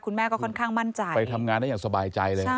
คุณแม่ก็ค่อนข้างมั่นใจไปทำงานได้อย่างสบายใจเลย